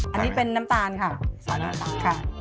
อันนี้เป็นน้ำตาลค่ะค่ะ